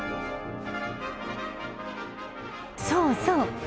そうそう。